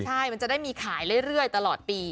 ใช่มันจะได้มีขายเรื่อยตลอดปี